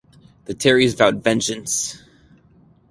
The Terrys vowed vengeance.